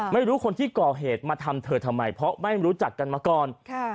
ไม่รู้คนที่ก่อเหตุมาทำเธอทำไมเพราะไม่รู้จักกันมาก่อน